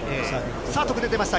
さあ、得点出ました。